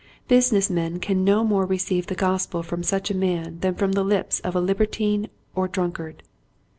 Business men can no more receive the Gos pel from such a man than from the Hps of a libertine or drunkard.